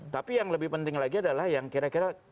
tapi yang lebih penting lagi adalah yang kira kira